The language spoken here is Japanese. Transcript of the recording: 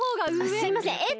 あっすいません